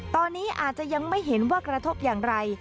ตอนนี้อาจจะยังไม่เห็นว่ากระทบอย่างไร